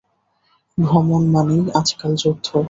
ভ্রমণ মানেই আজকাল যুদ্ধ।